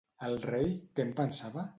El rei què en pensava?